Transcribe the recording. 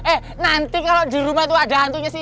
eh nanti kalo di rumah tuh ada hantunya si ika